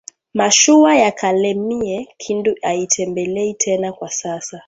Mashuwa ya kalemie kindu aitembei tena kwa sasa